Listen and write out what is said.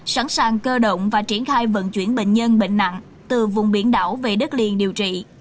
sẵn sàng cơ động và triển khai vận chuyển bệnh nhân bệnh nặng từ vùng biển đảo về đất liền điều trị